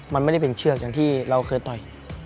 มันไม่ได้เป็นเชือกอย่างที่เราเคยต่อย